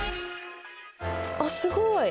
あっすごい！